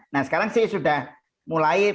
nah sekarang sih sudah mulai